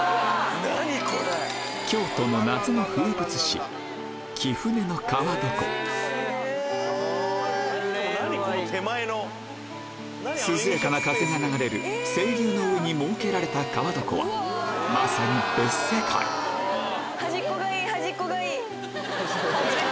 京都の夏の風物詩涼やかな風が流れる清流の上に設けられた川床はまさに別世界端っこがいい端っこがいい。